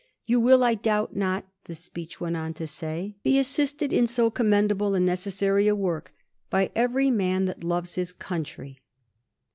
* You will, I doubt not,' the speech went on to say, * be assisted in so com mendable and necessary a work by every man that loves his coimtry.'